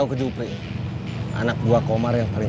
kan tadi surah kesini